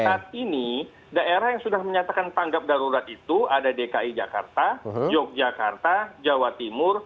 saat ini daerah yang sudah menyatakan tanggap darurat itu ada dki jakarta yogyakarta jawa timur banten jawa tenggara dan jawa timur